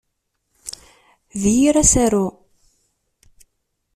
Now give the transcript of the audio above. D yir asaru.